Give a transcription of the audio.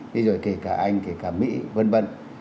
thế rồi kể cả anh kể cả mỹ v v